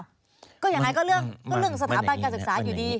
ก็อย่างไรก็เรื่องสถาบันการศึกษาอยู่ดี